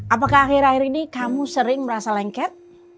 apakah akhir akhir ini kamu sering merasa lengket